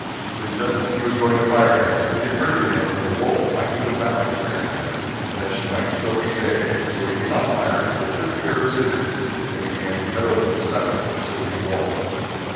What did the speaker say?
Then just as he was going to fire at him, it occurred to him that the wolf might have devoured the grandmother, and that she might still be saved, so he did not fire, but took a pair of scissors, and began to cut open the stomach of the sleeping wolf.